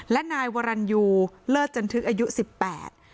และนายวรรณยูเลิศจันทึกอายุสิบแปด